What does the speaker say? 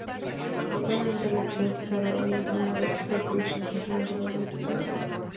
Actualmente Resistencia Saharaui es una red de activistas y defensores de los derechos humanos.